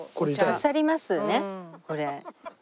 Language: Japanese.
刺さりますよねこれ。